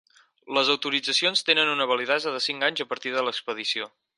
Les autoritzacions tenen una validesa de cinc anys a partir de l'expedició.